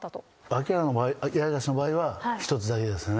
東の場合八重樫の場合は一つだけですね。